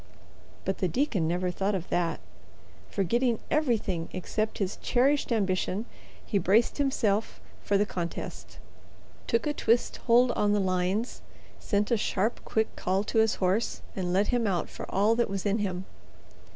But the deacon never thought of that. Forgetting everything except his cherished ambition, he braced himself for the contest, took a twist hold on the lines, sent a sharp, quick call to his horse, and let him out for all that was in him.